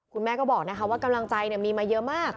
คุณแม่ก็บอกว่ากำลังใจมีมาเยอะมาก